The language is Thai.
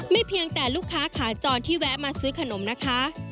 เพียงแต่ลูกค้าขาจรที่แวะมาซื้อขนมนะคะ